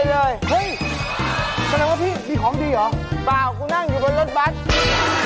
คำถามข้อที่๔จะสร้างปัญหาให้คุณแบงค์และคุณไอ้